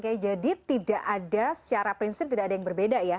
oke jadi tidak ada secara prinsip tidak ada yang berbeda ya